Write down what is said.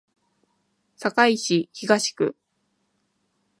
堺市東区